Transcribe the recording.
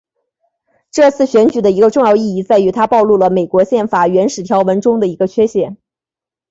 这次选举的一个重要意义在于它暴露了美国宪法原始条文中的一个缺陷。